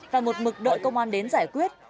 và một mực đội công an đến giải quyết